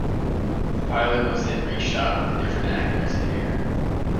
The pilot was then re-shot with the different actors and aired.